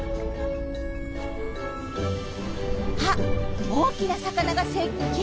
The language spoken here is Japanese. あっ大きな魚が接近！